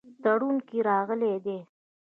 تړون کې راغلي دي.